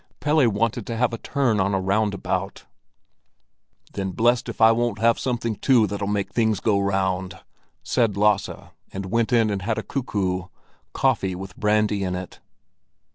Pelle wanted to have a turn on a roundabout. "Then blest if I won't have something too, that'll make things go round!" said Lasse, and went in and had a "cuckoo"—coffee with brandy in it.